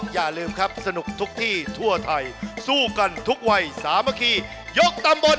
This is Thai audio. อย่าลืมครับสนุกทุกที่ทั่วไทยสู้กันทุกวัยสามัคคียกตำบล